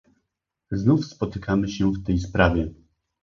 Znów spotykamy się w tej sprawie